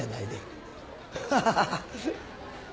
アハハハハ！